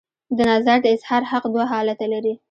د نظر د اظهار حق دوه حالته لري.